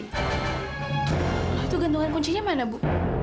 itu gantungan kuncinya mana bu